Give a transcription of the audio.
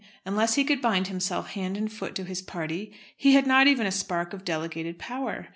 Unless he could bind himself hand and foot to his party he had not even a spark of delegated power.